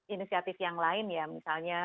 inisiatif yang lain ya misalnya